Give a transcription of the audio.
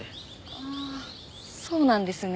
ああそうなんですね。